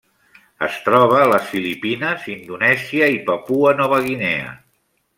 Es troba a les Filipines, Indonèsia i Papua Nova Guinea.